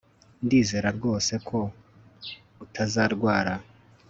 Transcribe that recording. Ndizera rwose ko utazarwara